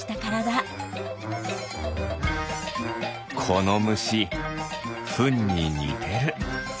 このむしフンににてる。